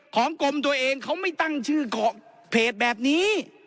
ของกรมตัวเองเขาไม่ตั้งชื่อเพจแบบนี้